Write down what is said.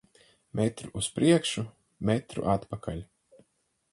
Metru uz priekšu, metru atpakaļ.